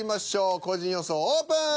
個人予想オープン。